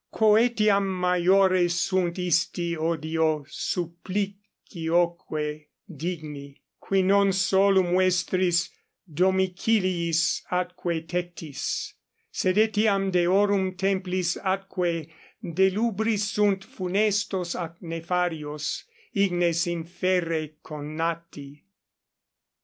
Quo etiam maiore sunt isti odio supplicioque digni, qui non 22 solum vestris domiciliis atque tectis, sed etiam deorum templis atque delubris sunt funestos ac nefarios ignes inferre conati.